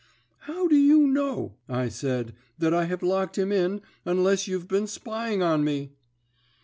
"'How do you know?' I said, 'that I have locked him in, unless you've been spying me?'